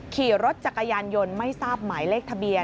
ขี่รถจักรยานยนต์ไม่ทราบหมายเลขทะเบียน